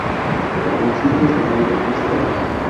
A principios de mayo, "Mr.